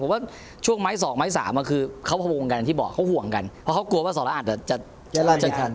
เพราะว่าช่วงไม้สองไม้สามอะคือเขาห่วงกันกว่าสำหรับสอระอาหารเนี่ย